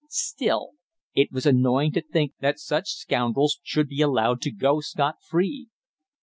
Still, it was annoying to think that such scoundrels should be allowed to go scot free.